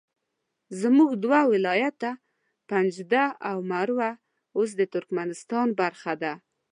زموږ دوه ولایته پنجده او مروه اوس د ترکمنستان برخه ده